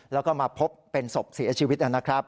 แล้วก็มาพบเป็นศพเสียชีวิตนะครับ